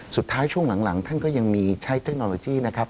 ช่วงหลังท่านก็ยังมีใช้เทคโนโลยีนะครับ